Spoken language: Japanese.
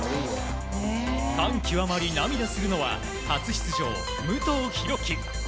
感極まり涙するのは初出場武藤弘樹。